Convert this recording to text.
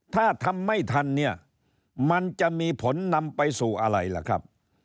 ถ้าทำไม่ทันเนี่ยมันจะมีผลนำไปสู่อะไรล่ะครับ